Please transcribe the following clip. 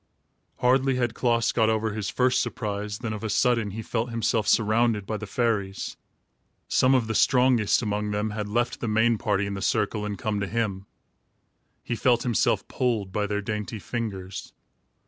Hardly had Klaas got over his first surprise, than of a sudden he felt himself surrounded by the fairies. Some of the strongest among them had left the main party in the circle and come to him. He felt himself pulled by their dainty fingers.